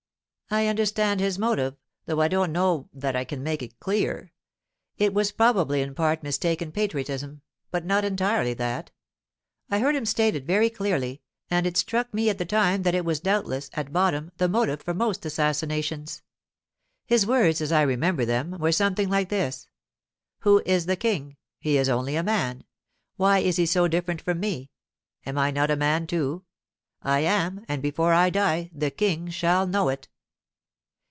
I understand his motive, though I don't know that I can make it clear. It was probably in part mistaken patriotism—but not entirely that. I heard him state it very clearly, and it struck me at the time that it was doubtless, at bottom, the motive for most assassinations. His words, as I remember them, were something like this: "Who is the King? He is only a man. Why is he so different from me? Am I not a man, too? I am, and before I die the King shall know it."